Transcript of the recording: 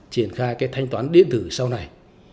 triển khai thanh toán điện tử sau này